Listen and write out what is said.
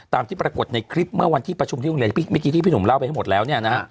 ตามที่ปรากฏในคลิปเมื่อวันที่ประชุมที่พี่หนุ่มเล่าไปให้หมดแล้วเนี่ยนะ